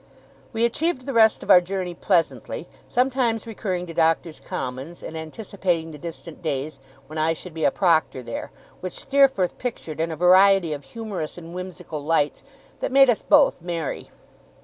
We achieved the rest of our journey pleasantly, sometimes recurring to Doctors' Commons, and anticipating the distant days when I should be a proctor there, which Steerforth pictured in a variety of humorous and whimsical lights, that made us both merry.